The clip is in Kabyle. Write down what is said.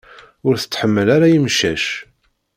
Ur tettḥamal ara imcac.